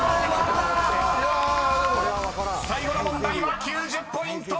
［最後の問題は９０ポイント！］